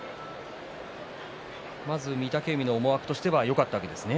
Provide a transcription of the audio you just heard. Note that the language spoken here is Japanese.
御嶽海の思惑としてはよかったわけですね。